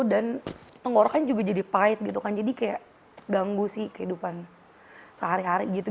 dan tenggorokan juga jadi pahit gitu kan jadi kayak ganggu sih kehidupan sehari hari gitu